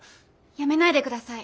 やめないで下さい。